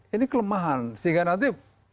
ini kelemahan sehingga nanti